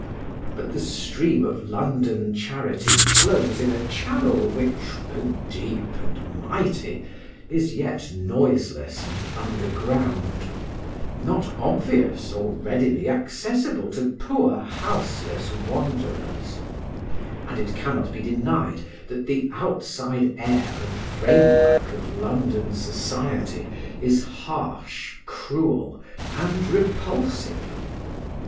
But the stream of London charity flows in a channel which, though deep and mighty, is yet noiseless and underground; not obvious or readily accessible to poor houseless wanderers; and it cannot be denied that the outside air and framework of London society is harsh, cruel, and repulsive.